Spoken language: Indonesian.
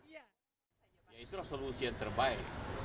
ya itulah solusi yang terbaik